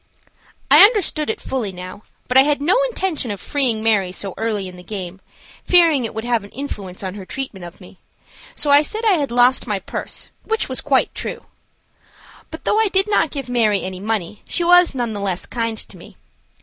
I understood it fully now, but I had no intention of feeing Mary so early in the game, fearing it would have an influence on her treatment of me, so I said I had lost my purse, which was quite true. But though I did not give Mary any money, she was none the less kind to me.